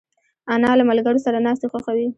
انا له ملګرو سره ناستې خوښوي